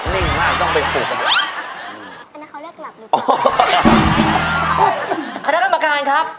นิ่งมากต้องไปปลูกอะครับ